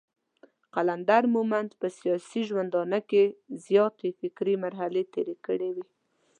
قلندر مومند په سياسي ژوندانه کې زياتې فکري مرحلې تېرې کړې وې.